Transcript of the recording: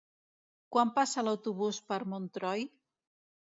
Quan passa l'autobús per Montroi?